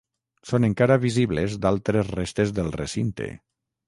Són encara visibles d'altres restes del recinte.